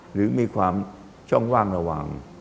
หรือมีความช่องว่างระหว่าง